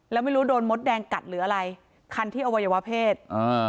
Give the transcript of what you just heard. แล้วไม่รู้โดนมดแดงกัดหรืออะไรคันที่อวัยวะเพศอ่า